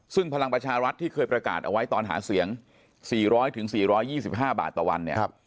ซึ่งพลังประชารัฐที่เคยประกาศเอาไว้ตอนหาเสียง๔๐๐๔๒๕บาทต่อวันเนี่ย